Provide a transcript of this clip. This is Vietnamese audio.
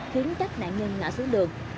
khiến các nạn nhân ngã xuống đường